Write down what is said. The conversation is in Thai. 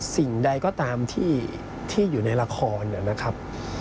สิ่งใดก็ตามที่อยู่ในละครนะครับ